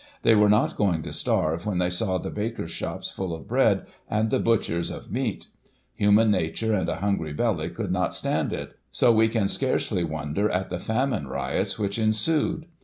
They were not going to starve when they saw the bakers' shops full of bread, and the butchers', of meat. Human nature and a hungry belly could not stand it — so we can scarcely wonder at the famine riots which ensued.